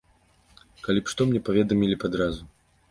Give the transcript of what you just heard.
Калі б што, мне паведамілі б адразу.